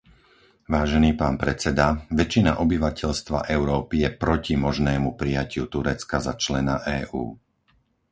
Vážený pán predseda, väčšina obyvateľstva Európy je proti možnému prijatiu Turecka za člena EÚ.